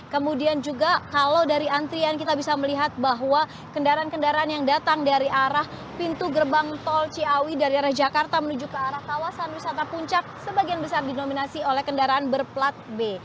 kemudian juga kalau dari antrian kita bisa melihat bahwa kendaraan kendaraan yang datang dari arah pintu gerbang tol ciawi dari arah jakarta menuju ke arah kawasan wisata puncak sebagian besar dinominasi oleh kendaraan berplat b